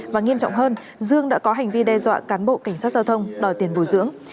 và nghiêm trọng hơn dương đã có hành vi đe dọa cán bộ cảnh sát giao thông đòi tiền bồi dưỡng